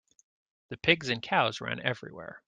The pigs and cows ran everywhere.